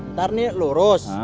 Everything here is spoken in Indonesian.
ntar nih lurus